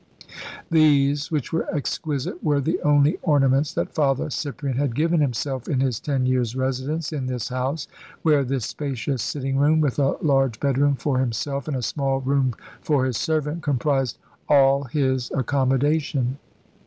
These, which were exquisite, were the only ornaments that Father Cyprian had given himself, in his ten years' residence in this house, where this spacious sitting room, with a large bedroom for himself and a small room for his servant, comprised all his accommodation.